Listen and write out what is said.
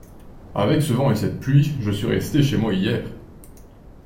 Avec ce vent et cette pluie, je suis resté chez moi hier.